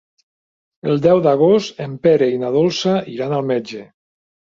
El deu d'agost en Pere i na Dolça iran al metge.